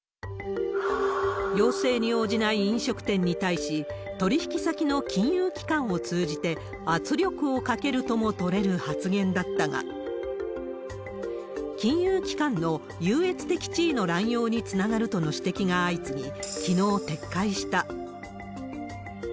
要請に応じない飲食店に対し、取り引き先の金融機関を通じて、圧力をかけるとも取れる発言だったが、金融機関の優越的地位の乱用につながるとの指摘が相次ぎ、きのう、撤回した。